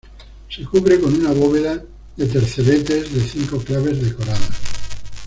Se cubre con una bóveda de terceletes de cinco claves decoradas.